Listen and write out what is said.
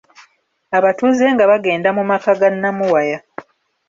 Abatuuze nga bagenda mu maka ga Namuwaya.